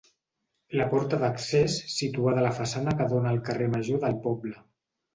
La porta d'accés situada a la façana que dóna al carrer Major del poble.